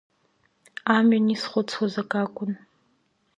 Амҩан исхәыцуаз акакәын…